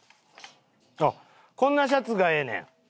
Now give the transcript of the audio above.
あっこんなシャツがええねん。